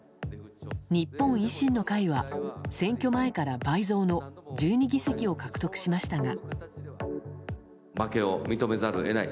日本維新の会は選挙前から倍増の１２議席を獲得しましたが。